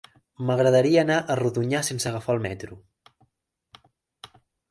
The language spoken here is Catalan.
M'agradaria anar a Rodonyà sense agafar el metro.